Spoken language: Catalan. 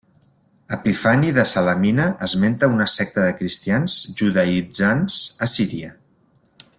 Epifani de Salamina esmenta una secta de cristians judaïtzants a Síria.